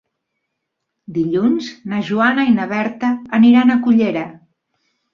Dilluns na Joana i na Berta aniran a Cullera.